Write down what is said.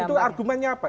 itu argumennya apa